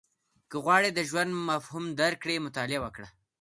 • که غواړې د ژوند مفهوم درک کړې، مطالعه وکړه.